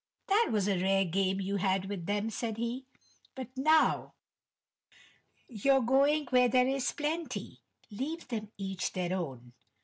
"That was a rare game you had with them," said he, "but now you are going where there is plenty, leave them each their own."